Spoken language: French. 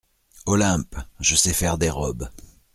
Olympe Je sais faire les robes.